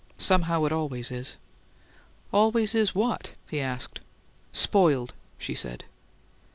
Somehow it always is." "'Always is' what?" he asked. "Spoiled," she said.